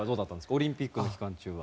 オリンピックの期間中は。